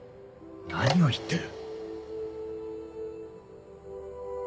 何を言ってる？